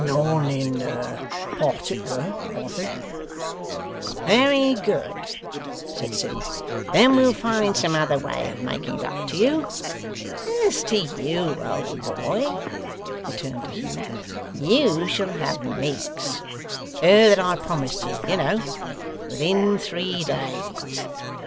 'None in partickler, I think.' 'Very good,' said Sim; 'then we'll find some other way of making it up to you. As to you, old boy' he turned to Hugh 'you shall have Miggs (her that I promised you, you know) within three days.